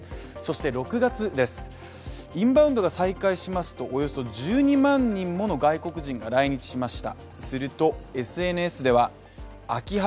６月です、インバウンドが再開しますと、およそ１２万人もの外国人が来日しました。